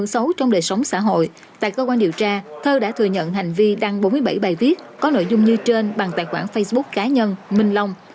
tại cơ quan điều tra thơ đã thừa nhận hành vi đăng bốn mươi bảy bài viết có nội dung như trên bằng tài khoản facebook cá nhân minh long